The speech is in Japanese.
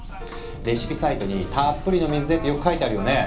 レシピサイトに「たっぷりの水で」ってよく書いてあるよね。